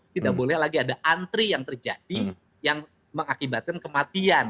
tidak boleh lagi ada antri yang terjadi yang mengakibatkan kematian